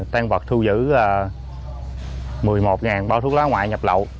tan vật thu giữ một mươi một bao thuốc lá ngoại nhập lậu